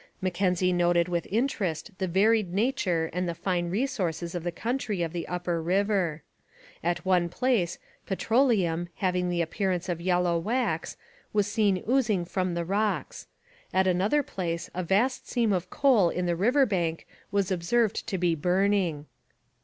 Mackenzie noted with interest the varied nature and the fine resources of the country of the upper river. At one place petroleum, having the appearance of yellow wax, was seen oozing from the rocks; at another place a vast seam of coal in the river bank was observed to be burning.